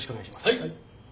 はい。